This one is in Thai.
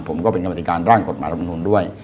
ผมก็เป็นกรรมธิการร่างกฎหมายรัฐมนุนด้วย